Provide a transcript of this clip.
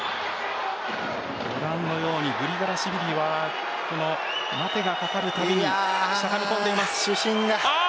ご覧のようにグリガラシビリは待てがかかるたびにしゃがみ込んでいます。